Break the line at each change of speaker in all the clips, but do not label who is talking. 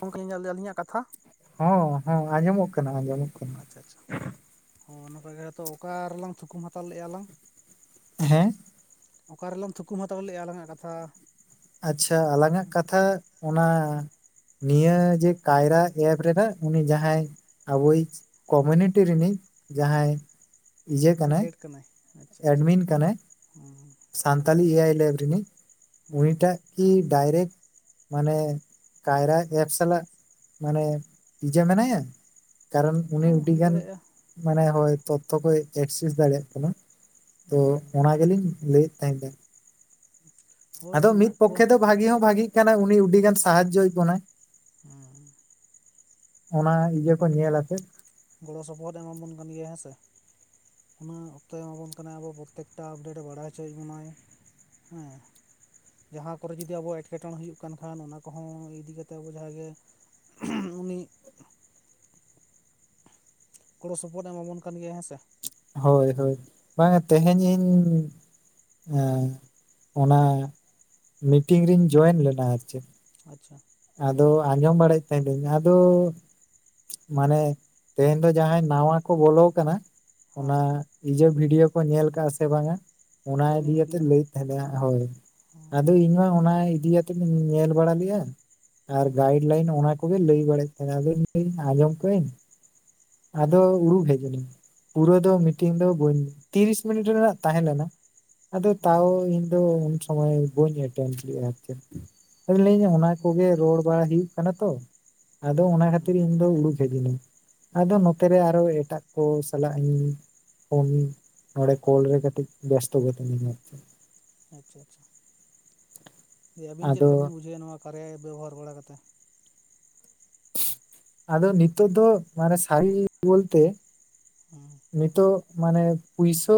[unintelligible] ᱟᱞᱤᱧᱟᱜ ᱠᱟᱛᱷᱟ
ᱦᱚᱸ ᱦᱚᱸ ᱟᱸᱡᱚᱢᱚᱜ ᱠᱟᱱᱟ ᱟᱸᱡᱚᱢᱚᱜ ᱠᱟᱱᱟ
ᱟᱪᱪᱷᱟ ᱟᱪᱪᱷᱟ ᱦᱚ ᱱᱟᱯᱟᱭ ᱜᱮ ᱛᱚ ᱚᱠᱟ ᱨᱮᱞᱟᱝ ᱛᱷᱩᱠᱩᱢ ᱦᱟᱛᱟᱣ ᱞᱮᱫ-ᱟ ᱟᱞᱟᱝ
ᱦᱮᱸ
ᱚᱠᱟᱨᱮᱞᱟᱝ ᱛᱷᱩᱠᱩᱢ ᱦᱟᱛᱟᱣ ᱞᱮᱫ-ᱟ ᱟᱞᱟᱝ ᱟᱜ ᱠᱟᱛᱷᱟ,
ᱟᱪᱪᱷᱟ ᱟᱞᱟᱝ ᱟᱜ ᱠᱟᱛᱷᱟ ᱚᱱᱟ, ᱱᱤᱭᱟᱹ ᱡᱮ ᱠᱟᱭᱨᱟ ᱮᱯ ᱨᱮᱱᱟᱜ ᱩᱱᱤ ᱡᱟᱦᱟᱸᱭ ᱟᱵᱚᱭᱤᱡ ᱠᱚᱢᱩᱱᱤᱴᱤ ᱨᱤᱱᱤᱡ ᱡᱟᱦᱟᱸᱭ।
ᱡᱮ ᱦᱮᱰ ᱠᱟᱱᱟᱭ, ᱟᱪᱪᱷᱟ ᱟᱪᱪᱷᱟ
ᱮᱰᱢᱤᱱ ᱠᱟᱱᱟᱭ
ᱦᱩᱸ
ᱥᱟᱱᱛᱟᱞᱤ ᱮ ᱟᱭ ᱞᱮᱵ ᱨᱤᱱᱤᱡ
ᱦᱩᱸ
ᱩᱱᱤ ᱴᱟᱜ, ᱠᱤ ᱰᱟᱭᱨᱮᱠᱴ ᱢᱟᱱᱮ ᱠᱟᱭᱨᱟ ᱮᱯᱥ ᱥᱟᱞᱟᱜ ᱢᱟᱱᱮ ᱤᱭᱟ. ᱢᱮᱱᱟᱭᱟ। ᱠᱟᱨᱚᱱ ᱩᱱᱤ
ᱦᱚᱸ ᱦᱩᱭ
ᱟᱹᱰᱤᱜᱟᱱ
ᱫᱟᱲᱮᱭᱟᱜᱼᱟ
ᱢᱟᱱᱮ ᱦᱚ ᱛᱚᱛᱴᱛᱷᱚ ᱠᱚᱭ ᱮᱠᱥᱮᱥ ᱫᱟᱲᱮᱭᱟᱜ ᱠᱟᱱᱟ, ᱛᱚ ᱚᱱᱟ ᱜᱮᱞᱤᱧ ᱞᱟᱹᱭ ᱮᱫ ᱛᱟᱦᱮᱸᱱᱟ।
ᱦᱳᱭ
ᱟᱫᱚ ᱢᱤᱫ
ᱢᱮᱱᱟᱜ ᱠᱚᱣᱟ
ᱯᱚᱠᱠᱷᱮ ᱫᱚ ᱵᱷᱟᱹᱜᱤ ᱦᱚᱸ ᱵᱷᱟᱜᱤᱜ ᱠᱟᱱᱟᱭ ᱩᱱᱤ ᱟᱹᱰᱤ ᱜᱟᱱ ᱥᱟᱦᱟᱡᱡᱚᱭᱮᱫ ᱵᱚᱱᱟᱭ᱾
ᱦᱮᱸ
ᱚᱱᱟ ᱤᱭᱟᱹ ᱠᱚ ᱧᱮᱞ ᱟᱛᱮ।
ᱜᱚᱲᱚ ᱥᱚᱯᱚᱦᱚᱫ ᱮᱢᱟᱵᱚᱱ ᱠᱟᱱ ᱜᱮᱭᱟ ᱦᱮᱸ ᱥᱮ, ᱚᱱᱟ ᱚᱠᱛᱚᱭ ᱮᱢᱟᱵᱚᱱ ᱠᱟᱱᱟᱭ ᱟᱵᱚ ᱯᱨᱚᱛᱛᱮᱠᱴᱟᱯᱰᱮᱴ ᱮ ᱵᱟᱲᱟᱭ ᱦᱚᱪᱚᱭᱮᱫ ᱵᱚᱱᱟᱭ। ᱦᱮᱸ। ᱡᱟᱦᱟᱸ ᱠᱚᱨᱮ ᱡᱩᱫᱤ ᱟᱵᱚ ᱮᱸᱴᱠᱮᱴᱚᱬᱮ ᱦᱩᱭᱩᱜ ᱠᱟᱱ ᱠᱷᱟᱱ ᱚᱱᱟ ᱠᱚᱦᱚᱸ ᱤᱫᱤ ᱠᱟ ᱠᱟᱛᱮᱫ ᱟᱵᱚ ᱡᱟᱦᱟᱸᱭ ᱜᱮ। ᱩᱱᱤ ᱜᱚᱲᱚ ᱥᱚᱯᱚᱦᱚᱫ ᱮᱢᱟᱵᱚᱱ ᱠᱟᱱ ᱜᱮᱭᱟ ᱦᱮᱸ ᱥᱮ।
ᱦᱳᱭ ᱦᱳᱭ ᱵᱟᱝ ᱛᱮᱦᱮᱧ ᱤᱧ, ᱚᱱᱟ ᱢᱤᱴᱤᱝ ᱨᱧ ᱡᱚᱭᱮᱱ ᱞᱮᱱᱟ ᱟᱨ ᱪᱮᱫ,
ᱟᱪᱪᱷᱟ,
ᱟᱫᱚ ᱟᱸᱡᱚᱢ ᱵᱟᱲᱟᱭ ᱮᱫ ᱛᱟᱦᱮᱱᱤᱧ ᱟᱫᱚ ᱢᱟᱱᱮ ᱛᱮᱦᱮᱧ ᱫᱚ ᱡᱟᱦᱟᱸᱭ ᱱᱟᱣᱟ ᱠᱚ ᱵᱚᱞᱚ ᱠᱟᱱᱟ,
ᱦᱮᱸ
ᱚᱱᱟ ᱤᱭᱟᱹ ᱵᱷᱤᱰᱭᱳ ᱠᱚ ᱧᱮᱞ ᱠᱟᱜ-ᱟ ᱥᱮ ᱵᱟᱝ ᱟ, ᱚᱱᱟ ᱤᱫᱤ
ᱴᱨᱮᱱᱤᱝ ᱵᱷᱤᱰᱭᱳ
ᱠᱟᱛᱮᱜ ᱞᱟᱹᱭᱮᱫ ᱛᱟᱦᱮᱸᱱᱟ ᱦᱳᱭ ᱟᱫᱚ ᱤᱧ ᱢᱟ ᱚᱱᱟ ᱤᱫᱤ ᱠᱟᱛᱮ, ᱧᱮᱞ ᱵᱟᱲᱟ ᱞᱮ-ᱟ। ᱟᱨ ᱜᱟᱭᱤᱰ ᱞᱟᱭᱤᱱ ᱚᱱᱟ ᱠᱚᱜᱮ ᱞᱟᱹᱭ ᱵᱟᱲᱟᱭ ᱛᱟᱦᱮᱱᱟ, ᱟᱫᱚ ᱞᱟᱹᱭ ᱟᱸᱡᱚᱢ ᱠᱟᱹᱧ, ᱟᱫᱚ ᱩᱲᱩᱠ ᱦᱮᱡ ᱮᱱᱟᱹᱧ ᱯᱩᱨᱟᱹ ᱫᱚ ᱢᱤᱴᱤᱝ ᱫᱚ ᱵᱟᱹᱧ ᱛᱤᱨᱤᱥ ᱢᱤᱱᱤᱴ ᱨᱮᱱᱟᱜ ᱛᱟᱦᱮᱸᱞᱮᱱᱟ। ᱟᱫᱚ ᱛᱟᱣ ᱤᱧ ᱫᱚ ᱩᱱ ᱥᱚᱢᱚᱭ ᱵᱟᱹᱧ ᱮᱴᱮᱱ ᱞᱮᱫᱼᱟ ᱟᱨ ᱪᱮᱫ ᱟᱫᱚ ᱞᱟᱹᱭᱤᱧ ᱚᱱᱟ ᱠᱚᱜᱮ ᱨᱚᱲ ᱵᱟᱲᱟ ᱦᱩᱭᱩᱜ ᱠᱟᱱᱟ ᱛᱚ। ᱟᱫᱚ ᱚᱱᱟ
ᱦᱮᱸ
ᱠᱷᱟᱛᱤᱨ ᱤᱧ ᱫᱚ ᱩᱰᱩᱠ ᱦᱮᱡᱱᱤᱧ ᱟᱫᱚ ᱱᱚᱛᱮᱨᱮ ᱟᱨᱚ ᱮᱴᱟᱜ ᱠᱚ ᱥᱟᱞᱟᱜ ᱤᱧ। ᱯᱷᱳᱱᱤᱧ ᱱᱚᱰᱮ ᱠᱚᱞ ᱨᱮ ᱠᱟᱴᱤᱡ [unintelligible]
ᱟᱪᱪᱷᱟ ᱟᱪᱪᱷᱟ। ᱡᱮ ᱟᱵᱤᱱ ᱪᱮᱫ
ᱟᱫᱚ
ᱞᱮᱠᱟ ᱵᱤᱱ ᱵᱩᱡᱷᱟᱹᱣᱟ ᱱᱚᱣᱟ ᱠᱟᱨᱭᱟ ᱵᱮᱵᱚᱦᱟᱨ ᱵᱟᱲᱟ ᱠᱟᱛᱮᱫ।
ᱟᱫᱚ ᱱᱤᱛᱚᱜᱜ ᱫᱚ ᱢᱟᱱᱮ ᱥᱟᱹᱨᱤ ᱵᱚᱞᱛᱮ।
ᱦ [unintelligible]
ᱱᱤᱛᱚᱜ ᱢᱟᱱᱮ ᱯᱩᱭᱥᱟᱹ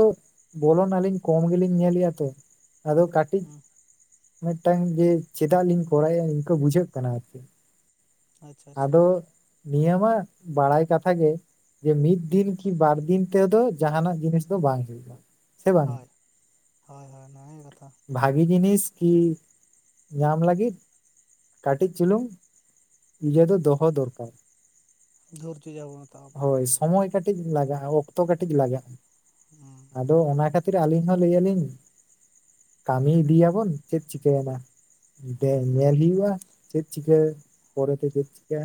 ᱵᱚᱞᱚᱱ ᱟᱹᱞᱤᱧ ᱠᱚᱢ ᱜᱮᱞᱤᱧ ᱧᱮᱞᱮᱜᱼᱟ ᱛᱚ। ᱟᱫᱚ ᱠᱟᱹᱴᱤᱡ
ᱦᱩᱸ
ᱢᱤᱫᱴᱟᱝ ᱡᱮ ᱪᱮᱫᱟᱜ ᱞᱤᱧ ᱠᱚᱨᱟᱭᱟ ᱤᱱᱠᱟᱹ ᱵᱩᱡᱷᱟᱹᱜ ᱠᱟᱱᱟ ᱟᱨᱠᱤ।
ᱟᱪᱪᱷᱟ ᱟᱪᱪᱷᱟ
ᱟᱫᱚ ᱱᱤᱭᱟᱹᱢᱟ ᱵᱟᱲᱟᱭ ᱠᱟᱛᱷᱟ ᱜᱮ ᱡᱮ ᱢᱤᱫ ᱫᱤᱱ
ᱦᱩᱸ
ᱠᱤ ᱵᱟᱨ ᱫᱤᱱ। ᱛᱚ ᱡᱟᱦᱟᱱᱟᱜ ᱡᱤᱱᱤᱥ ᱫᱚ ᱵᱟᱝ ᱦᱳᱼᱟ।
ᱦᱳᱭ ᱦᱳᱭ ᱦᱳᱭ ᱦᱳᱭ ᱱᱚᱣᱟ ᱜᱮ ᱠᱟᱛᱷᱟ।
ᱵᱷᱟᱜᱤ ᱡᱤᱱᱤᱥ ᱠᱤ ᱧᱟᱢ ᱞᱟᱹᱜᱤᱫ ᱠᱟᱹᱴᱤᱡ ᱪᱩᱞᱩᱝ। ᱱᱤᱡᱮ ᱫᱚ ᱫᱚᱦᱚ ᱫᱚᱨᱠᱟᱨ।
ᱫᱷᱳᱨᱡᱚ ᱡᱟᱦᱟᱸ ᱵᱚᱱ ᱦᱟᱛᱟᱣ ᱟᱠᱟᱫ
ᱦᱳᱭ ᱥᱚᱢᱚᱭ ᱠᱟᱹᱴᱤᱡ ᱞᱟᱜᱟᱜᱼᱟ ᱚᱠᱛᱚ ᱠᱟᱹᱴᱤᱡ ᱞᱟᱜᱟᱜᱼᱟ।
ᱦᱩᱸ
ᱟᱫᱚ ᱚᱱᱟ ᱠᱷᱟᱹᱛᱤᱨ ᱟᱹᱞᱤᱧ ᱦᱚᱸ ᱞᱟᱹᱭᱟᱞᱤᱧ। ᱠᱟᱹᱢᱤ ᱤᱫᱤᱭᱟᱵᱚᱱ ᱪᱮᱫ ᱪᱤᱠᱟᱹ ᱭᱮᱱᱟ ᱫᱮ
ᱦᱩᱸ
ᱧᱮᱞ ᱦᱩᱭᱩᱜᱼᱟ ᱪᱮᱫ ᱪᱤᱠᱟᱹ ᱯᱚᱨᱮᱛᱮ ᱪᱮᱫ ᱠᱟ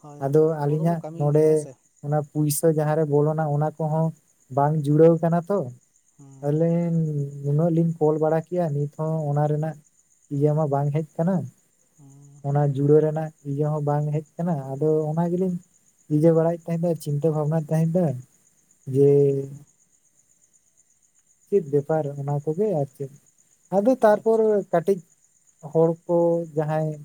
ᱦᱳᱭ
ᱟᱫᱚ
ᱟᱵᱚ ᱫᱚᱵᱚ
ᱟᱹᱞᱤᱧᱟᱜ
ᱠᱟᱹᱢᱤ
ᱱᱚᱰᱮ
ᱤᱫᱤᱭᱟ ᱦᱮᱸ ᱥᱮ
ᱚᱱᱟ ᱯᱩᱭᱥᱟᱹ ᱡᱟᱦᱟᱸ ᱨᱮ ᱵᱚᱞᱚᱱᱟ ᱚᱱᱟ ᱠᱚᱦᱚᱸ ᱵᱟᱝ ᱡᱩᱲᱟᱹᱣ ᱟᱠᱟᱱᱟ ᱛᱚ
ᱦᱩᱸ
ᱟᱞᱮᱻ ᱩᱱᱟᱹᱜ ᱞᱤᱧ ᱠᱚᱞ ᱵᱟᱲᱟ ᱠᱮᱭᱟ ᱱᱤᱛ ᱦᱚᱸ ᱚᱱᱟ ᱨᱮᱱᱟᱜ ᱤᱭᱟᱹ ᱢᱟ ᱵᱟᱝ ᱦᱮᱡ ᱟᱠᱟᱱᱟ
ᱦᱩᱸ
ᱚᱱᱟ ᱡᱩᱲᱟᱹᱣ ᱨᱮᱱᱟᱜ ᱤᱭᱟᱹ ᱦᱚᱸ ᱵᱟᱝ ᱦᱮᱡ ᱟᱠᱟᱱᱟ ᱟᱫᱚ ᱚᱱᱟ ᱜᱮᱞᱤᱧ ᱤᱭᱟᱹ ᱵᱟᱲᱟᱭᱮᱫ ᱛᱟᱦᱮᱸ ᱫᱚ ᱪᱤᱱᱛᱟᱹ ᱵᱷᱟᱵᱱᱟᱭᱮᱫ ᱛᱟᱦᱮᱫ ᱫᱚᱧ ᱡᱮ
ᱦᱩᱸ
ᱪᱮᱫ ᱵᱮᱯᱟᱨ ᱚᱱᱟ ᱠᱚᱜᱮ ᱟᱨ ᱪᱮᱫ ᱟᱫᱚ ᱛᱟᱨᱯᱚᱨ
ᱟᱪᱪᱷᱟ
ᱠᱟᱹᱴᱤᱡ ᱦᱚᱲ ᱠᱚ ᱡᱟᱦᱟᱸᱭ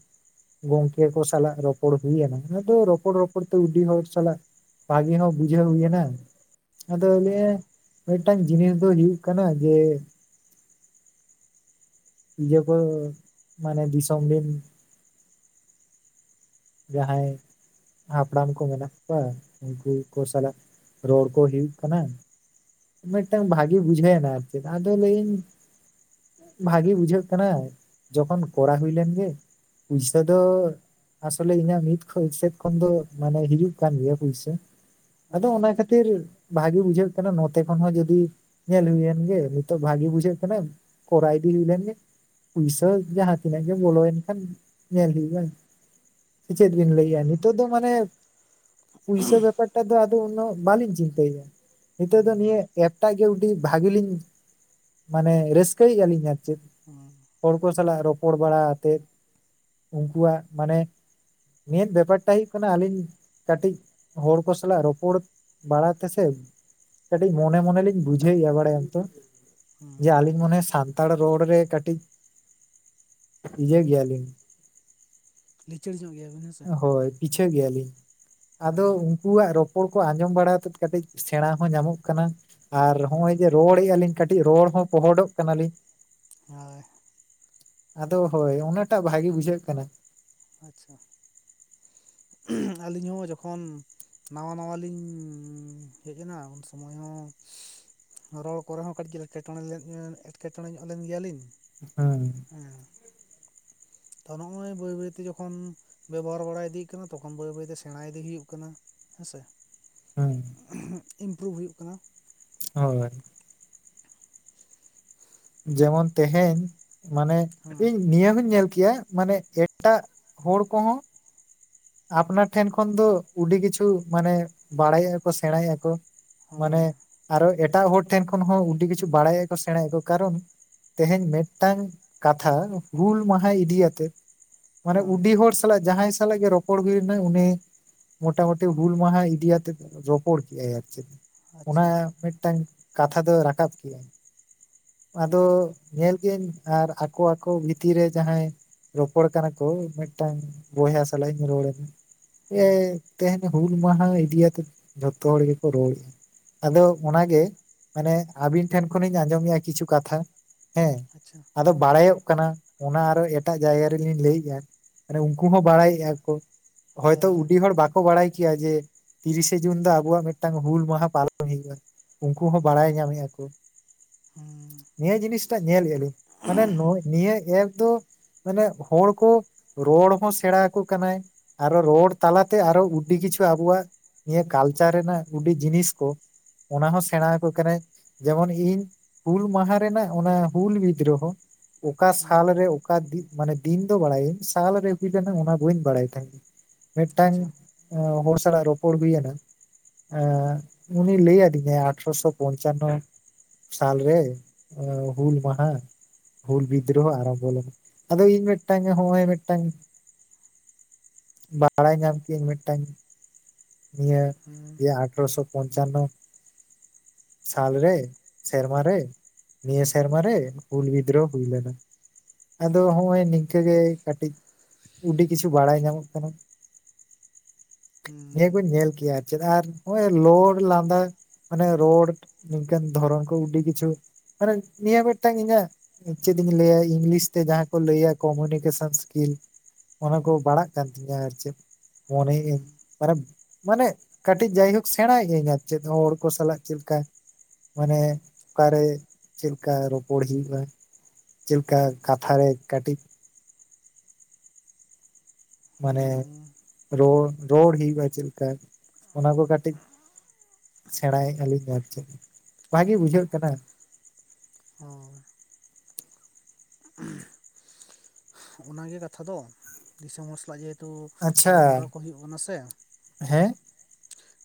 ᱜᱚᱝᱠᱮ ᱠᱚ ᱥᱟᱞᱟᱜ ᱨᱚᱯᱚᱲ ᱦᱩᱭᱱᱟ ᱚᱱᱟ ᱫᱚ ᱨᱚᱯᱚᱲ ᱨᱚᱯᱚᱲ ᱛᱮ ᱩᱰᱤ ᱦᱚᱲ ᱥᱟᱞᱟᱜ ᱵᱷᱟᱜᱮ ᱦᱚᱸ ᱵᱩᱡᱷᱟᱹᱣ ᱦᱩᱭᱱᱟ ᱟᱫᱚ ᱞᱟᱹᱭᱮᱜ-ᱟᱭ
ᱦᱮᱸ
ᱢᱤᱫᱴᱟᱝ ᱡᱤᱱᱤᱥ ᱫᱚ ᱦᱩᱭᱩᱜ ᱠᱟᱱᱟ ᱡᱮ ᱤᱭᱟᱹ ᱠᱚ ᱢᱟᱱᱮ ᱫᱤᱥᱚᱢ ᱨᱤᱱ ᱡᱟᱦᱟᱸᱭ ᱦᱟᱯᱲᱟᱢ ᱠᱚ ᱢᱮᱱᱟᱜ ᱠᱚᱣᱟ ᱩᱱᱠᱩ ᱠᱚ ᱥᱟᱞᱟᱜ ᱨᱚᱲ ᱠᱚ ᱦᱩᱭᱩᱜ ᱠᱟᱱᱟ ᱢᱤᱫᱴᱟᱝ ᱵᱷᱟᱜᱤ ᱵᱩᱡᱷᱟᱹᱣᱮᱱᱟ ᱟᱨ ᱪᱮᱫ ᱟᱫᱚ ᱞᱟᱹᱭᱟᱹᱧ ᱵᱷᱟᱜᱤ ᱵᱩᱡᱷᱟᱹᱜ ᱠᱟᱱᱟ ᱡᱚᱠᱷᱚᱱ ᱠᱚᱨᱟᱣ ᱦᱩᱭ ᱞᱮᱱ ᱜᱮ ᱯᱩᱭᱥᱟᱹ ᱫᱚ ᱟᱥᱚᱞᱮ ᱤᱧᱟᱹᱜ ᱢᱤᱫ ᱥᱮᱫ ᱠᱷᱚᱱ ᱫᱚ ᱢᱟᱱᱮ ᱦᱤᱡᱩᱜ ᱠᱟᱱ ᱜᱮᱭᱟ ᱯᱩᱭᱥᱟᱹ ᱟᱫᱚ
ᱟᱪᱪᱷᱟ
ᱚᱱᱟ ᱠᱷᱟᱹᱛᱤᱨ ᱵᱷᱟᱜᱤ ᱵᱩᱡᱷᱟᱹᱜ ᱠᱟᱱᱟ ᱱᱟᱛᱮ ᱠᱷᱚᱱ ᱦᱚᱸ ᱡᱩᱫᱤ ᱧᱮᱞ ᱦᱩᱭᱮᱱ ᱜᱮ ᱱᱤᱛᱚᱜ ᱵᱷᱟᱜᱤ ᱵᱩᱡᱷᱟᱹᱜ ᱠᱟᱱᱟ ᱠᱚᱨᱟᱣ ᱤᱫᱤ ᱦᱩᱭ ᱞᱮᱱ ᱜᱮ ᱯᱩᱭᱥᱟᱹ ᱡᱟᱦᱟᱸ ᱛᱤᱱᱟᱹᱜ ᱜᱮ ᱵᱚᱞᱚᱭᱮᱱ ᱠᱷᱟᱱ ᱧᱮᱞ ᱦᱩᱭᱩᱜᱼᱟ ᱥᱮ ᱪᱮᱫ ᱵᱤᱱ ᱞᱟᱹᱭᱮᱫ-ᱟ
ᱦᱩᱸ
ᱱᱤᱛᱚᱜ ᱫᱚ ᱢᱟᱱᱮ ᱯᱩᱭᱥᱟᱹ ᱵᱮᱯᱟᱨ ᱴᱟᱜ ᱫᱚ ᱟᱫᱚ ᱩᱱᱟᱹᱜ ᱵᱟᱞᱤᱧ ᱪᱤᱱᱛᱟᱹᱭᱮᱜ-ᱟ ᱱᱤᱛᱚᱜ ᱫᱚ
ᱦᱩᱸ
ᱱᱤᱭᱟᱹ ᱮᱯᱷ ᱴᱟᱜ ᱜᱮ ᱡᱩᱫᱤ ᱵᱷᱟᱜᱮ ᱞᱤᱧ ᱢᱟᱱᱮ ᱨᱟᱹᱥᱠᱟᱹᱭ ᱡᱟᱹᱱᱤᱡ ᱟᱨ ᱪᱮᱫ
ᱦᱩᱸ
ᱦᱚᱲ ᱠᱚ ᱥᱟᱞᱟᱜ ᱨᱚᱯᱚᱲ ᱵᱟᱲᱟ ᱟᱛᱮᱫ ᱩᱸᱠᱩᱣᱟᱜ ᱢᱟᱱᱮ ᱱᱤᱭᱟᱹᱫ ᱵᱮᱯᱟᱨ ᱴᱟᱜ ᱦᱩᱭᱩᱜ ᱠᱟᱱᱟ ᱟᱹᱞᱤᱧ ᱠᱟᱹᱴᱤᱡ ᱦᱚᱲ ᱠᱚ ᱥᱟᱞᱟᱜ ᱨᱚᱯᱚᱲ ᱵᱟᱲᱟ ᱛᱮ ᱥᱮ ᱠᱟᱹᱴᱤᱡ ᱢᱚᱱᱮ ᱢᱚᱱᱮ ᱞᱤᱧ ᱵᱩᱡᱷᱟᱹᱣᱮᱜ-ᱟ ᱵᱟᱲᱟᱭᱟᱢ ᱛᱚ,
ᱦᱩᱸ
ᱡᱮ ᱟᱹᱞᱤᱧ ᱢᱚᱱᱮ ᱥᱟᱱᱛᱟᱲ ᱨᱚᱲ ᱨᱮ ᱠᱟᱹᱴᱤᱡ, ᱤᱭᱟᱹ ᱜᱮᱭᱟᱞᱤᱧ᱾
ᱞᱤᱪᱟᱹᱲ ᱧᱚᱜ ᱜᱮᱭᱟᱵᱤᱱ ᱦᱮᱸ ᱥᱮ᱾
ᱦᱳᱭ ᱯᱤᱪᱷᱟᱹ ᱜᱮᱭᱟᱞᱤᱧ, ᱟᱫᱚ
ᱦᱮᱸ
ᱩᱱᱠᱩᱣᱟᱜ ᱨᱚᱯᱚᱲ ᱠᱚ ᱟᱸᱡᱚᱢ ᱵᱟᱲᱟ ᱟᱛᱮᱫ ᱠᱟᱹᱴᱤᱡ ᱥᱮᱬᱟ ᱦᱚᱸ ᱧᱟᱢᱚᱜ ᱠᱟᱱᱟ ᱟᱨ
ᱦᱮᱸ
ᱦᱚᱸᱜ-ᱚᱭ ᱡᱮ ᱨᱚᱲ ᱞᱮᱜ-ᱟ ᱞᱤᱧ ᱠᱟᱹᱴᱤᱡ ᱨᱚᱲ ᱦᱚᱸ ᱯᱚᱦᱚᱰᱚᱜ ᱠᱟᱱᱟᱞᱤᱧ,
ᱦᱳᱭ᱾
ᱟᱫᱚ ᱦᱳᱭ ᱚᱱᱟ ᱴᱟᱜ ᱵᱷᱟᱜᱤ ᱵᱩᱡᱷᱟᱹᱜ ᱠᱟᱱᱟ᱾
ᱟᱪᱪᱷᱟ᱾ [unintelligible] ᱟᱹᱞᱤᱧ ᱦᱚᱸ ᱡᱚᱠᱷᱚᱱ ᱱᱟᱣᱟ ᱱᱟᱣᱟ ᱞᱤᱧᱻ ᱦᱮᱡ ᱮᱱᱟ, ᱩᱱ ᱥᱚᱢᱚᱭ ᱦᱚᱸ ᱨᱚᱲ ᱠᱚᱨᱮ ᱦᱚᱸ ᱠᱟᱹᱴᱤᱡ ᱜᱮ ᱮᱴᱠᱮ ᱴᱚᱬᱮᱸ ᱞᱮᱫ ᱮᱸ ᱮᱴᱠᱮ ᱴᱚᱬᱮᱸ ᱧᱚᱜ ᱞᱮᱱ ᱜᱮᱭᱟᱞᱤᱧ᱾
ᱦᱚᱭ,
ᱮᱸ ᱛᱚ ᱱᱚᱜᱼᱚᱭ ᱵᱟᱹᱭ ᱵᱟᱹᱭᱛᱮ ᱡᱚᱠᱷᱚᱱ ᱵᱮᱵᱽᱦᱟᱨ ᱵᱟᱲᱟ ᱤᱫᱤᱜ ᱠᱟᱱᱟ ᱛᱚᱠᱷᱚᱱ ᱵᱟᱹᱭ ᱵᱟᱹᱭᱛᱮ ᱥᱮᱬᱟ ᱤᱫᱤ ᱦᱩᱭᱩᱜ ᱠᱟᱱᱟ, ᱦᱮᱸᱥᱮ
ᱦᱩᱸ
[unintelligible] ᱤᱢᱯᱩᱨᱩᱵᱷ ᱦᱩᱭᱩᱜ ᱠᱟᱱᱟ᱾
ᱦᱳᱭ, ᱡᱮᱢᱚᱱ ᱛᱮᱦᱮᱧ ᱢᱟᱱᱮ
ᱦᱮᱸ
ᱤᱧ ᱱᱤᱭᱟᱹ ᱦᱩᱧ ᱧᱮᱞ ᱠᱮᱭᱟ, ᱢᱟᱱᱮᱜ ᱮᱴᱟᱜ ᱦᱚᱲ ᱠᱚᱦᱚᱸ ᱟᱯᱱᱟᱨ ᱴᱷᱮᱸᱱ ᱠᱷᱚᱱ ᱫᱚ ᱩᱰᱤ ᱠᱤᱪᱷᱩ ᱢᱟᱱᱮ ᱵᱟᱲᱟᱭᱮᱜ-ᱟ ᱠᱚ ᱥᱮᱬᱟᱭᱮᱜᱼᱟ ᱠᱚ, ᱢᱟᱱᱮ
ᱦᱳᱭ
ᱟᱨᱚ ᱮᱴᱟᱜ ᱦᱚᱲ ᱴᱷᱮᱱ ᱠᱷᱚᱱ ᱦᱚᱸ ᱩᱰᱤ ᱠᱤᱪᱷᱩ ᱵᱟᱲᱟᱭᱮᱜ-ᱟ ᱠᱚ ᱥᱮᱬᱟᱭᱮᱜᱼᱟ ᱠᱚ ᱠᱟᱨᱚᱱ ᱛᱮᱦᱮᱧ ᱢᱮᱫᱴᱟᱝ ᱠᱟᱛᱷᱟ ᱦᱩᱞ ᱢᱟᱦᱟ ᱤᱫᱤᱭᱟᱛᱮᱫ ᱢᱟᱱᱮ
ᱦᱮᱸ
ᱩᱰᱤ ᱦᱚᱲ ᱥᱟᱞᱟᱜ ᱡᱟᱦᱟᱸᱭ ᱥᱟᱞᱟᱜ ᱜᱮ ᱨᱚᱯ- ᱯᱚᱲ ᱦᱩᱭᱮᱱᱟ ᱩᱱᱤ ᱢᱚᱴᱟ ᱢᱩᱴᱤ ᱦᱩᱞ ᱢᱟᱦᱟ ᱤᱫᱤᱭᱟᱛᱮᱫ ᱡᱚᱯᱚᱲ ᱠᱮᱜᱼᱟᱭ ᱟᱨ ᱪᱮᱫ?
ᱟᱪᱪᱷᱟ
ᱚᱱᱟᱻᱭ ᱢᱤᱫᱴᱟᱝ ᱠᱟᱛᱷᱟ ᱫᱚ ᱨᱟᱠᱟᱵ ᱠᱮᱜᱼᱟ, ᱟᱫᱚ ᱧᱮᱞ ᱜᱤᱭᱟᱹᱧ ᱟᱨ ᱟᱠᱚ ᱟᱠᱚ ᱵᱷᱤᱛᱤᱨ ᱨᱮ ᱡᱟᱦᱟᱸᱭ ᱨᱚᱯᱚᱲ ᱠᱟᱱᱟ ᱠᱚ ᱢᱤᱫᱴᱟᱝ ᱵᱚᱭᱦᱟ ᱥᱟᱞᱟᱹᱧ ᱨᱚᱲᱮᱫ,
ᱦᱮᱸ
ᱮᱸ ᱛᱮᱦᱮᱧ ᱦᱩᱞ ᱢᱟᱦᱟ ᱤᱫᱤ ᱭᱟᱛᱮᱫ ᱡᱷᱚᱛᱚ ᱦᱚᱲ ᱜᱮᱠᱚ ᱨᱚᱲᱼᱮᱜ ᱟ᱾ ᱟᱫᱚ ᱚᱱᱟᱜᱮ ᱢᱟᱱᱮ ᱟᱹᱵᱤᱱ ᱴᱷᱮᱱ ᱠᱷᱚᱱᱤᱧ ᱟᱸᱡᱽᱚᱢᱮᱜᱼᱟ ᱠᱤᱪᱷᱩ ᱠᱟᱛᱷᱟ, ᱦᱮᱸ
ᱟᱪᱪᱷᱟ
ᱟᱫᱚ ᱵᱟᱲᱟᱭᱚᱜ ᱠᱟᱱᱟ, ᱚᱱᱟ ᱟᱨᱚ ᱮᱴᱟᱜ ᱡᱟᱭᱜᱟ ᱨᱮᱞᱤᱧ ᱞᱟᱹᱭ ᱭᱮᱜᱼᱟ, ᱟᱨᱮ ᱩᱸᱠᱩ ᱦᱚᱸ ᱵᱟᱲᱟᱭᱮᱜᱼᱟ ᱠᱚ ᱦᱚᱭᱛᱳ
ᱦᱮᱸ
ᱩᱰᱤ ᱦᱚᱲ ᱵᱟᱠᱚ ᱵᱟᱲᱟᱭ ᱠᱮᱭᱟ ᱡᱮ ᱛᱤᱨᱤᱥᱮ ᱡᱩᱱ ᱫᱚ ᱟᱵᱚᱣᱟᱜ ᱢᱮᱫᱴᱟᱝ ᱦᱩᱞ ᱢᱟᱦᱟ ᱯᱟᱞᱚᱱ ᱦᱩᱭᱩᱜᱼᱟ᱾ ᱩᱸᱠᱩ ᱦᱚᱸ
ᱦᱮᱸ
ᱵᱟᱲᱟᱭ ᱧᱟᱢ ᱮᱜᱼᱟ ᱠᱚ᱾
ᱦᱮᱸ
ᱱᱤᱭᱟᱹ ᱡᱤᱱᱤᱥ ᱴᱟᱜ ᱧᱮᱞ ᱞᱮᱜᱼᱟ ᱞᱤᱧ ᱢᱟᱱᱮ ᱱᱩᱻᱭ ᱱᱤᱭᱟᱹ ᱮᱯ ᱫᱚ ᱢᱟᱱᱮᱜ ᱦᱚᱲ ᱠᱚ ᱨᱚᱲ ᱦᱚᱸ ᱥᱮᱬᱟ ᱠᱚ ᱠᱟᱱᱟᱭ ᱟᱨᱚ ᱨᱚᱲ ᱛᱟᱞᱟᱛᱮ ᱟᱨᱚ ᱩᱰᱰᱤ ᱠᱤᱪᱷᱩ ᱟᱵᱚᱣᱟᱜ ᱱᱤᱭᱟᱹ ᱠᱟᱞᱪᱟᱨ ᱨᱮᱱᱟᱜ ᱩᱰᱰᱤ ᱡᱤᱱᱤᱥ ᱠᱚ ᱚᱱᱟ ᱦᱚᱸ ᱥᱮᱬᱟ ᱦᱟᱠᱚ ᱠᱟᱱᱟᱭ᱾ ᱡᱮᱢᱚᱱ ᱤᱧ ᱦᱩᱞ ᱢᱟᱦᱟ ᱨᱮᱱᱟᱜ ᱚᱱᱟ ᱦᱩᱞ ᱣᱤᱫᱽᱨᱚ ᱦᱚᱸ ᱚᱠᱟ
ᱦᱮᱸ
ᱥᱟᱞ ᱨᱮ ᱚᱠᱟ ᱫᱤᱜ, ᱢᱟᱱᱮ ᱫᱤᱱ ᱫᱚ ᱵᱟᱲᱟᱭᱟᱹᱧ, ᱥᱟᱞ ᱨᱮ ᱦᱩᱭ ᱞᱮᱱᱟ ᱚᱱᱟ- ᱵᱟᱹᱧ ᱵᱟᱲᱟᱭ ᱛᱟᱦᱮᱸᱱ, ᱢᱮᱫᱴᱟᱝ
ᱟᱪᱪᱷᱟ
ᱮᱸ ᱦᱚᱲ ᱥᱟᱞᱟᱜ ᱨᱚᱯᱚᱲ ᱦᱩᱭ ᱮᱱᱟ, ᱮᱸ ᱩᱱᱤ ᱞᱟᱹᱭ ᱟᱹᱫ ᱫᱤᱧᱟᱭ ᱟᱴᱷᱨᱚ ᱥᱚ ᱯᱚᱧᱪᱟᱱᱱᱚ- ᱥᱟᱞ ᱨᱮ, ᱮᱸ ᱦᱩᱞ ᱢᱟᱦᱟᱸ- ᱦᱩᱞ ᱵᱤᱫᱽᱨᱳᱦᱚ ᱟᱨᱟᱢᱵᱷᱚ ᱞᱮᱱᱟ ᱟᱫᱚ ᱤᱧ ᱢᱤᱫᱴᱟᱝ ᱱᱚᱜᱼᱚᱭ ᱢᱤᱫᱴᱟᱝ ᱵᱟᱲᱟᱭ ᱧᱟᱢ ᱠᱤᱟᱹᱧ ᱢᱤᱫᱴᱟᱝ- ᱱᱤᱭᱟᱹ
ᱦᱮᱸ
ᱤᱭᱟᱹ ᱟᱴᱷᱮᱨᱚᱥᱚ ᱯᱚᱧᱪᱟᱱᱱᱚ- ᱥᱟᱞ ᱨᱮ ᱥᱮᱨᱢᱟ ᱨᱮ- ᱱᱤᱭᱟᱹ ᱥᱮᱨᱢᱟᱨ ᱨᱮ ᱦᱩᱞ ᱵᱤᱫᱽᱨᱳᱚ ᱦᱩᱭ ᱞᱮᱱᱟ- ᱟᱫᱚ ᱦᱚᱜᱼᱚᱭ ᱱᱤᱝᱠᱟᱹ ᱜᱮ ᱠᱟᱹᱴᱤᱡ- ᱟᱹᱰᱤ ᱠᱤᱪᱷᱩ ᱵᱟᱲᱟᱭ ᱧᱟᱢᱚᱜ ᱠᱟᱱᱟ- ᱱᱤᱭᱟᱹ ᱠᱚᱧ
ᱦᱮᱸ
ᱧᱮᱞ ᱠᱮᱭᱟ ᱟᱨ ᱪᱮᱫ ᱟᱨ ᱱᱚᱭ ᱞᱚᱲ ᱞᱟᱸᱫᱟ ᱢᱟᱱᱮ ᱨᱚᱲ ᱱᱤᱝᱠᱟᱹᱱ ᱫᱷᱚᱨᱚᱱ ᱠᱚ ᱟᱹᱰᱤ ᱠᱤᱪᱷᱩ ᱢᱟᱱᱮ ᱱᱤᱭᱟᱹ ᱢᱤᱫᱴᱟᱝ ᱤᱧᱟᱜ ᱪᱮᱫ ᱤᱧ ᱞᱟᱹᱭᱟ ᱤᱝᱞᱤᱥ ᱛᱮ ᱡᱟᱦᱟᱸ ᱠᱚ ᱞᱟᱹᱭᱟ ᱠᱚᱢᱤᱱᱤᱠᱮᱥᱚᱱ ᱥᱠᱤᱞ ᱚᱱᱟ ᱠᱚ ᱵᱟᱲᱟᱜ ᱠᱟᱱ ᱛᱤᱧᱟ ᱟᱨ ᱪᱮᱫ ᱢᱚᱱᱮ
ᱦᱮᱸ
ᱢᱮ- ᱢᱟᱱᱮ ᱠᱟᱹᱴᱤᱡ ᱡᱟᱭᱦᱳᱠ ᱥᱮᱬᱟᱭᱫᱟᱹ ᱟᱨ ᱪᱮᱫ ᱦᱚᱲ ᱠᱚ ᱥᱟᱞᱟᱜ ᱪᱮᱫ ᱞᱮᱠᱟ- ᱢᱟᱱᱮ ᱚᱠᱟᱨᱮ ᱪᱮᱫ ᱞᱮᱠᱟ ᱨᱚᱯᱚᱲ ᱦᱩᱭᱩᱜᱭᱼᱟ ᱪᱮᱫ ᱞᱮᱠᱟ ᱠᱟᱛᱷᱟ ᱨᱮ ᱠᱟᱹᱴᱤᱡ- ᱢᱟᱱᱮ
ᱦᱮᱸ
ᱨᱚᱲ ᱨᱚᱲ ᱦᱩᱭᱩᱜᱼᱟ ᱪᱮᱞᱠᱟ ᱚᱱᱟ ᱠᱚ ᱠᱟᱹᱴᱤᱡ- ᱥᱮᱬᱟᱭᱮᱫᱼᱟ ᱞᱤᱧ ᱟᱨ ᱪᱮᱫ ᱵᱷᱟᱜᱤ ᱵᱩᱡᱷᱟᱹᱜ ᱠᱟᱱᱟ-
ᱦᱚᱸ ᱚᱱᱟᱜᱮ ᱠᱟᱛᱷᱟ ᱫᱚ ᱫᱤᱥᱚᱢ ᱦᱚᱲ ᱥᱟᱞᱟᱜ ᱜᱮ ᱛᱚ ᱜᱟᱞᱢᱟᱨᱟᱣ ᱠᱚ ᱦᱩᱭᱩᱜ ᱠᱟᱱᱟ ᱥᱮ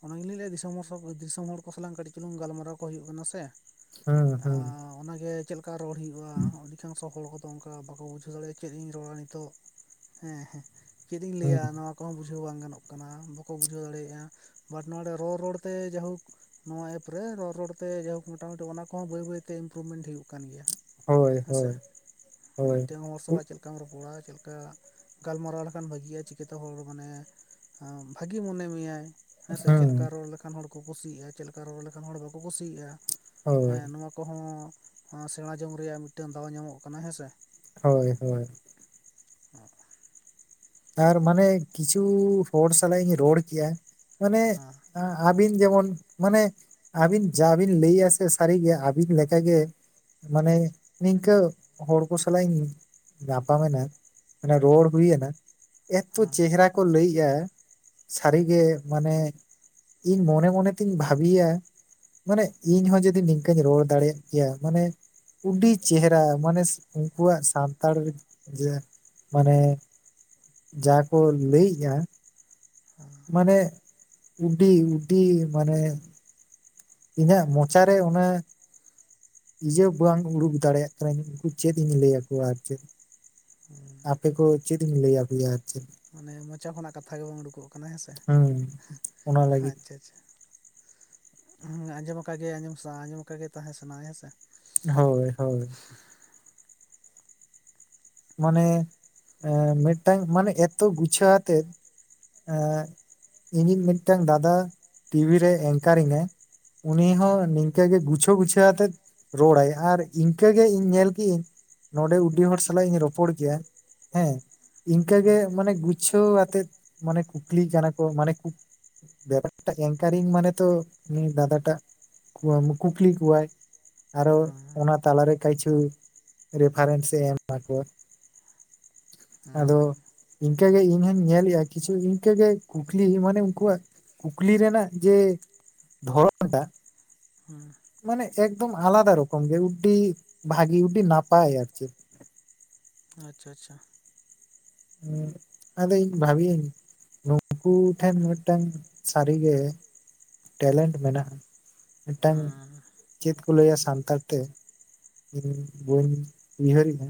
ᱚᱱᱟᱜᱤᱞᱤᱧ ᱞᱟᱹᱟ ᱫᱤᱥᱚᱢ ᱦᱚᱲ ᱫᱤᱥᱚᱢ ᱦᱚᱲ ᱠᱚ ᱥᱟᱞᱟᱜ ᱠᱟᱹᱴᱤᱡ ᱪᱩᱞᱩᱝ ᱜᱟᱞᱢᱟᱨᱟᱣ ᱠᱚ ᱦᱩᱭᱩᱜ ᱠᱟᱱᱟ ᱥᱮ- ᱟᱻ ᱚᱱᱟᱜᱮ ᱪᱮᱫᱞᱮᱠᱟ ᱨᱚᱲ ᱦᱩᱭᱩᱜᱼᱟ ᱚᱫᱷᱤᱠᱟᱝᱥᱚ ᱦᱚᱲ ᱠᱚᱫᱚ- ᱚᱝᱠᱟ ᱵᱟᱠᱚ ᱵᱩᱡᱷᱟᱹᱣ ᱫᱟᱲᱮᱭᱟ ᱪᱮᱫ ᱤᱧ ᱨᱚᱲᱟ ᱱᱤᱛᱚᱜ ᱦᱮᱸ ᱪᱮᱫ ᱤᱧ ᱞᱟᱹᱭᱟ ᱱᱚᱣᱟ ᱠᱚᱦᱚᱸ ᱵᱩᱡᱷᱟᱹᱣ ᱵᱟᱝ ᱜᱟᱱᱚᱜ ᱠᱟᱱᱟ ᱵᱟᱠᱚ ᱵᱩᱡᱷᱟᱹᱣ ᱫᱟᱲᱮᱭᱟᱜᱼᱟ ᱵᱟᱴ ᱱᱚᱰᱮ ᱨᱚᱲ ᱨᱚᱲᱛᱮ ᱡᱟᱦᱳᱠ- ᱱᱚᱣᱟ ᱮᱯᱨᱮ ᱨᱚᱲ ᱨᱚᱲᱛᱮ ᱡᱟᱦᱳᱠ ᱢᱚᱴᱟᱢᱩᱴᱤ ᱚᱱᱟ ᱠᱚᱦᱚᱸ ᱵᱟᱹᱭ ᱵᱟᱹᱭᱛᱮ ᱤᱢᱯᱨᱩᱵᱷᱢᱮᱱᱴ ᱦᱩᱭᱩᱜ ᱠᱟᱱ ᱜᱮᱭᱟ ᱦᱮᱸᱥᱮ ᱢᱤᱫᱴᱮᱱ ᱦᱚᱲ ᱥᱟᱞᱟᱜ ᱪᱮᱞ ᱠᱟᱢ ᱨᱚᱯᱚᱲᱟ ᱪᱮᱫ ᱞᱮᱠᱟ ᱜᱟᱞᱢᱟᱨᱟᱣ ᱞᱮᱠᱷᱟᱱ ᱵᱷᱟᱹᱜᱤᱜᱼᱟ ᱪᱤᱠᱟᱹᱛᱮ ᱦᱚᱲ ᱢᱟᱱᱮ ᱦᱟ ᱵᱷᱟᱜᱤ ᱢᱚᱱᱮ ᱢᱮᱭᱟᱭ- ᱦᱮᱸ ᱥᱮ ᱪᱮᱫ ᱞᱮᱠᱟ ᱨᱚᱲ ᱞᱮᱠᱷᱟᱱ ᱦᱚᱲ ᱠᱚ ᱠᱩᱥᱤᱭᱟᱜᱼᱟ ᱪᱮᱫ ᱞᱮᱠᱟ ᱨᱚᱲ ᱞᱮᱠᱷᱟᱱ ᱦᱚᱲ ᱵᱟᱠᱚ ᱠᱩᱥᱤᱭᱟᱜᱼᱟ ᱦᱮᱸ ᱱᱚᱣᱟ ᱠᱚᱦᱚᱸ ᱥᱮᱬᱟ ᱡᱚᱝ ᱨᱮᱭᱟᱜ ᱢᱤᱫᱴᱮᱱ ᱫᱟᱣ ᱧᱟᱢᱚᱜ ᱠᱟᱱᱟ ᱦᱮᱸᱥᱮ
ᱦᱚᱭ ᱦᱚᱭ
ᱦᱮᱸ
ᱟᱨ ᱢᱟᱱᱮ ᱠᱤᱪᱷᱩ ᱦᱚᱲ ᱥᱟᱞᱟᱜ ᱤᱧ ᱨᱚᱲ ᱠᱮᱭᱟ ᱢᱟᱱᱮ
ᱦᱮᱸ
ᱟ ᱟᱹᱵᱤᱱ ᱡᱮᱢᱚᱱ ᱢᱟᱱᱮ ᱟᱹᱵᱤᱱ ᱡᱟ ᱵᱤᱱ ᱞᱟᱹᱭᱟ ᱥᱮ ᱥᱟᱹᱨᱤ ᱜᱮ ᱟᱹᱵᱤᱱ ᱞᱮᱠᱟ ᱜᱮ ᱢᱟᱱᱮ ᱱᱤᱝᱠᱟᱹ ᱦᱚᱲ ᱠᱚ ᱥᱟᱞᱟᱜ ᱤᱧ ᱧᱟᱯᱟᱢ ᱮᱱᱟ, ᱢᱟᱱᱮ ᱨᱚᱲ ᱦᱩᱭ ᱮᱱᱟ ᱮᱛᱚ
ᱦᱮᱸ
ᱪᱮᱦᱨᱟ ᱠᱚ ᱞᱟᱹᱭᱮᱜᱼᱟ ᱥᱟᱹᱨᱤ ᱜᱮ ᱢᱟᱱᱮ ᱤᱧ ᱢᱚᱱᱮ ᱢᱚᱱᱮ ᱛᱤᱧ ᱵᱷᱟᱹᱵᱤᱭᱟ ᱢᱟᱱᱮ ᱤᱧ ᱦᱚ ᱡᱩᱫᱤ ᱱᱤᱝᱠᱟᱹᱧ ᱨᱚᱲ ᱫᱟᱲᱮᱭᱟᱜ ᱠᱮᱭᱟ ᱢᱟᱱᱮ ᱩᱰᱤ ᱪᱮᱦᱨᱟ ᱢᱟᱱᱮ ᱩᱱᱠᱩᱣᱟᱜ ᱥᱟᱱᱛᱟᱲ [unintelligible] ᱡᱮ ᱢᱟᱱᱮ ᱡᱟ ᱠᱚ ᱞᱟᱹᱭ ᱮᱜᱼᱟ ᱢᱟᱱᱮ ᱩᱰᱤ ᱩᱰᱤ ᱢᱟᱱᱮ ᱤᱧᱟᱜ ᱢᱚᱪᱟ ᱨᱮ ᱚᱱᱟ ᱤᱭᱟᱹ ᱵᱟᱝ ᱩᱰᱩᱠ ᱫᱟᱲᱮᱭᱟᱜ ᱠᱟᱱᱟ ᱩᱱᱠᱩ ᱪᱮᱫ ᱤᱧ ᱞᱟᱹᱭ ᱟᱠᱚᱣᱟ ᱟᱨ ᱪᱮᱫ ᱟᱯᱮ ᱠᱚ ᱪᱮᱫ ᱤᱧ ᱞᱟᱹᱭ ᱟᱯᱮᱭᱟ ᱟᱨ ᱪᱮᱫ
ᱤᱧᱟᱜ ᱢᱚᱪᱟ ᱠᱷᱚᱱᱟᱜ ᱠᱟᱛᱷᱟ ᱜᱮ ᱵᱟᱝ ᱩᱰᱩ ᱠᱚᱜ ᱠᱟᱱᱟ ᱦᱮᱸᱥᱮ
ᱦᱩᱸ ᱚᱱᱟ ᱞᱟᱹᱜᱤᱫ
ᱟᱪᱪᱷᱟ ᱟᱪᱪᱷᱟ᱾ ᱦᱩᱸ ᱟᱸᱡᱚᱢ ᱟᱠᱟ ᱜᱤᱭᱟᱹᱧ ᱟᱸᱡᱚᱢ ᱥᱟ- ᱟᱸᱡᱚᱢ ᱟᱠᱟᱫ ᱜᱮ ᱛᱟᱦᱮᱸ ᱥᱟᱱᱟᱭᱟ ᱦᱮᱸ ᱥᱮ
ᱦᱳᱭ ᱦᱳᱭ ᱢᱟᱱᱮ ᱮ ᱢᱤᱫ ᱴᱟᱝ ᱢᱟᱱᱮ ᱮᱛᱚ ᱜᱩᱪᱷᱟᱹᱣ ᱟᱛᱮᱫ ᱮᱼᱼ ᱤᱧᱤᱜ ᱢᱤᱫ ᱴᱟᱝ ᱫᱟᱫᱟ ᱴᱤᱵᱷᱤ ᱨᱮ ᱮᱝᱠᱟᱨᱤᱝ ᱟᱭ᱾ ᱩᱱᱤ
ᱟᱪᱪᱷᱟ
ᱦᱚᱸ ᱱᱤᱝᱠᱟᱹ ᱜᱮ ᱜᱩᱪᱷᱟᱹ ᱜᱩᱪᱷᱟᱹᱣ ᱟᱛᱮᱫᱼᱼ ᱨᱚᱲ ᱟᱭ ᱟᱨ ᱤᱱᱠᱟᱹ ᱜᱮ ᱤᱧ ᱧᱮᱞ ᱠᱮᱜ ᱤᱧ ᱱᱚᱸᱰᱮ ᱩᱰᱤ ᱦᱚᱲ ᱥᱟᱞᱟᱜ ᱤᱧ ᱨᱚᱯᱚᱲ ᱠᱮᱜᱼᱟ᱾ ᱦᱮᱸ ᱤᱱᱠᱟᱹ
ᱦᱮᱸ
ᱜᱮ ᱢᱟᱱᱮ ᱜᱩᱪᱷᱟᱹᱣ ᱟᱛᱮᱫ ᱢᱟᱱᱮ ᱠᱩᱠᱞᱤ ᱠᱟᱱᱟ ᱠᱚ ᱢᱟᱱᱮᱼᱼ ᱵᱮᱯᱟᱨ ᱴᱟᱜ ᱮᱝᱠᱟᱨᱤᱝ ᱢᱟᱱᱮ ᱛᱚ ᱩᱱᱤ ᱫᱟᱫᱟ ᱴᱟᱜ ᱠᱩᱠᱞᱤ ᱠᱚᱣᱟᱭ᱾ ᱟᱨᱚ
ᱦᱮᱸ
ᱚᱱᱟ ᱛᱟᱞᱟ ᱨᱮ ᱠᱟᱭᱪᱷᱩ ᱨᱮᱯᱷᱟ ᱨᱮᱱᱥᱮ ᱮᱢᱟ ᱠᱚᱣᱟ᱾
ᱦᱩᱸ
ᱤᱱᱠᱟᱹ ᱜᱮ ᱤᱧ ᱦᱚᱧ ᱧᱮᱞ ᱮᱜᱼᱟ ᱠᱤᱪᱷᱩ ᱤᱱᱠᱟᱹ ᱜᱮ ᱠᱩᱠᱞᱤ ᱢᱟᱱᱮ ᱩᱱᱠᱩ ᱟᱜᱼᱼ ᱠᱩᱠᱞᱤ ᱨᱮᱱᱟᱜ ᱡᱮ ᱫᱷᱚᱨᱚᱱ ᱴᱟᱜᱼᱼ
ᱦᱩᱸ
ᱢᱟᱱᱮ ᱮᱠ ᱫᱚᱢ ᱟᱞᱟᱫᱟ ᱨᱚᱠᱚᱢ ᱜᱮ ᱩᱰᱰᱤ ᱵᱷᱟᱜᱤ ᱩᱰᱰᱤ ᱱᱟᱯᱟᱭ ᱟᱨᱠᱤ᱾
ᱟᱪᱪᱷᱟ ᱟᱪᱪᱷᱟ᱾
ᱦᱩᱸ ᱟᱫᱚ ᱤᱧ ᱵᱷᱟᱵᱤ ᱟᱹᱧᱼᱼ ᱱᱩᱠᱩ ᱴᱷᱮᱱ ᱢᱤᱫᱴᱟᱱ ᱥᱟᱹᱨᱤ ᱜᱮ ᱴᱮᱞᱮᱱᱴ ᱢᱮᱱᱟᱜᱼᱟ᱾ ᱢᱤᱫᱴᱟᱝᱼᱼ
ᱦᱮᱸ
ᱪᱮᱫ ᱠᱚ ᱞᱟᱹᱭᱟ ᱥᱟᱱᱛᱟᱲ ᱛᱮ ᱤᱧ ᱵᱟᱹᱧ ᱩᱭᱦᱟᱹᱨ ᱮᱜᱼᱟ,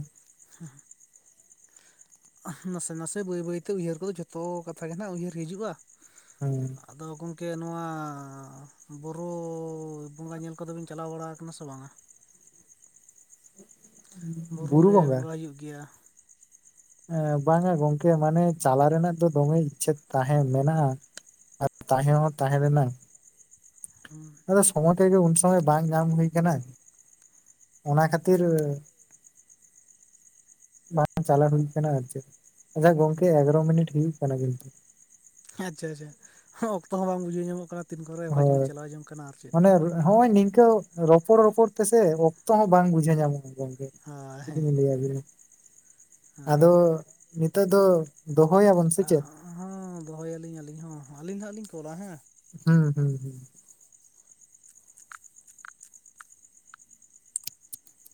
ᱱᱟᱥᱮ ᱱᱟᱥᱮ ᱵᱟᱹᱭ ᱵᱟᱹᱭ ᱛᱮ ᱩᱭᱦᱟᱹᱨ ᱠᱚᱫᱚ ᱡᱷᱚᱛᱚ ᱠᱟᱛᱷᱟ ᱜᱮ ᱦᱟᱸᱜ ᱩᱭᱦᱟᱹᱨ ᱦᱤᱡᱩᱜᱼᱟ᱾
ᱦᱩᱸ
ᱟᱫᱚ ᱜᱚᱢᱠᱮ ᱱᱚᱣᱟ ᱵᱳᱨᱳ ᱵᱚᱸᱜᱟ ᱧᱮᱞ ᱠᱚᱫᱚ ᱵᱤᱱ ᱪᱟᱞᱟᱣ ᱵᱟᱲᱟ ᱟᱠᱟᱱᱟ ᱥᱮ ᱵᱟᱝᱟ? ᱵᱳᱨᱳ ᱨᱮ ᱵᱚᱸᱜᱟ ᱦᱩᱭᱩᱜ ᱜᱮᱭᱟ᱾
ᱮᱸ ᱵᱟᱝᱟ ᱜᱚᱝᱠᱮ ᱢᱟᱱᱮ ᱪᱟᱞᱟᱣ ᱨᱮᱱᱟᱜ ᱫᱚ ᱫᱚᱢᱮ ᱤᱪᱪᱷᱟᱹ ᱛᱟᱦᱮᱸ ᱢᱮᱱᱟᱜᱼᱟ᱾ ᱟᱨ ᱛᱟᱦᱮᱸ ᱦᱚᱸ ᱛᱟᱦᱮᱸ ᱨᱮᱱᱟᱜᱼᱼ
ᱦᱮᱸ
ᱟᱫᱚ ᱥᱚᱢᱚᱭ ᱴᱟᱜ ᱜᱮ ᱩᱱ ᱥᱚᱢᱚᱭ ᱵᱟᱝ ᱧᱟᱢ ᱦᱩᱭ ᱠᱟᱱᱟ᱾ ᱚᱱᱟ ᱠᱷᱟᱹᱛᱤᱨᱼᱼ ᱵᱟᱝ ᱪᱟᱞᱟᱣ ᱦᱩᱭ ᱠᱟᱱᱟ ᱟᱨ ᱪᱮᱫ ᱟᱪᱪᱷᱟ ᱜᱚᱝᱠᱮ ᱮᱜᱟᱨᱚ ᱢᱤᱱᱤᱴ ᱦᱩᱭᱩᱜ ᱠᱟᱱᱟ ᱠᱤᱱᱛᱩ᱾
ᱟᱪᱪᱷᱟ ᱟᱪᱪᱷᱟ ᱚᱠᱛᱚ ᱦᱚᱸ ᱵᱟᱝ ᱵᱩᱡᱷᱟᱹᱣ ᱧᱟᱢᱚᱜ ᱠᱟᱱᱟ᱾ ᱛᱤᱱ ᱠᱚᱨᱮ ᱵᱷᱟᱹᱡᱽ ᱵᱷᱩᱡᱽ
ᱦᱳᱭ
ᱪᱟᱞᱟᱣ ᱡᱚᱝ ᱠᱟᱱᱟ ᱟᱨ ᱪᱮᱫ
ᱢᱟᱱᱮ ᱦᱚᱸᱜᱼᱚᱭ ᱱᱤᱝᱠᱟᱹᱼᱼ ᱨᱚᱯᱚᱲ ᱨᱚᱯᱚᱲ ᱛᱮᱥᱮ ᱚᱠᱛᱚ ᱦᱚᱸ ᱵᱟᱝ ᱵᱩᱡᱷᱟᱹᱣ ᱧᱟᱢᱚᱜᱼᱟ ᱜᱚᱢᱠᱮ
ᱦᱳᱭ
ᱪᱮᱫ
ᱦᱮᱸ
ᱞᱤᱧ ᱞᱟᱹᱭ ᱟᱵᱤᱱᱟ᱾ ᱟᱫᱚ
ᱦᱮᱸ
ᱱᱤᱛᱳᱜ ᱫᱚ ᱫᱚᱦᱚᱭ ᱟᱵᱚᱱ ᱥᱮ ᱪᱮᱫ?
ᱦᱚᱸ ᱫᱚᱦᱚᱭ ᱟᱞᱤᱧ ᱟᱹᱞᱤᱧ ᱦᱚᱸ ᱟᱹᱞᱤᱧ ᱱᱟᱦᱟᱜ ᱞᱤᱧ ᱠᱚᱞᱟ ᱦᱮᱸ,
ᱦᱩᱸ ᱦᱩᱸ ᱦᱩᱸ᱾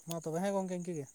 ᱢᱟᱸ ᱛᱚᱵᱮ ᱦᱮᱸ ᱜᱚᱢᱠᱮ ᱤᱱᱠᱟ ᱜᱮ᱾